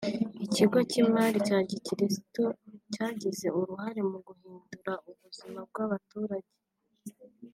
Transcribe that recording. Ikigo cy’Imari cya Gikirisitu cyagize uruhare mu guhindura ubuzima bw’abaturage